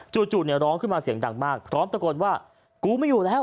จู่เนี่ยร้องขึ้นมาเสียงดังมากพร้อมตะโกนว่ากูไม่อยู่แล้ว